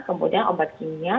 kemudian obat kimia